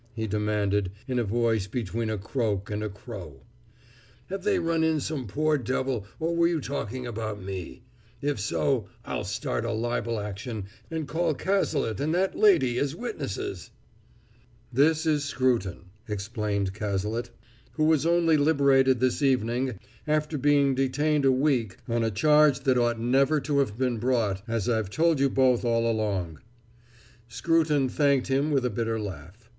he demanded in a voice between a croak and a crow. "Have they run in some other poor devil, or were you talking about me? If so, I'll start a libel action, and call Cazalet and that lady as witnesses!" [Illustration: "What do you know about Henry Craven's murderer?"] "This is Scruton," explained Cazalet, "who was only liberated this evening after being detained a week on a charge that ought never to have been brought, as I've told you both all along." Scruton thanked him with a bitter laugh.